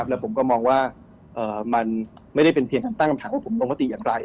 แล้วผมก็มองว่ามันไม่ได้เป็นเพียงการตั้งคำถามว่าผมลงมติอย่างไร